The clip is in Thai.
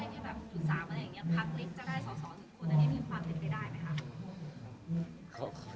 มีความเห็นได้มั้ยครับ